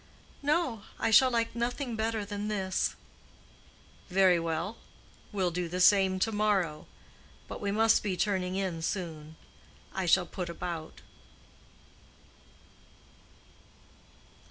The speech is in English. "No; I shall like nothing better than this." "Very well: we'll do the same to morrow. But we must be turning in soon. I shall put about."